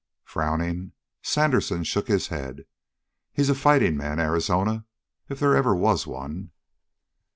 Frowning, Sandersen shook his head. "He's a fighting man, Arizona, if they ever was one."